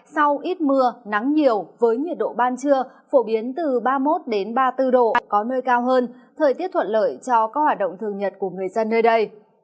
sau ít mưa nắng nhiều với nhiệt độ ban trưa phổ biến từ ba mươi một ba mươi bốn độ có nơi cao hơn thời tiết thuận lợi cho các hoạt động thường nhật của người dân nơi đây